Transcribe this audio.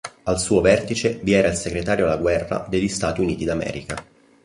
Al suo vertice vi era il segretario alla Guerra degli Stati Uniti d'America.